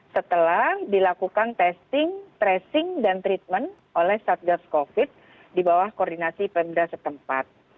setelah dilakukan testing tracing dan treatment oleh satgas covid di bawah koordinasi pemda setempat